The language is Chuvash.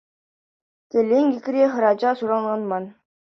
Телее, инкекре хӗрача суранланман.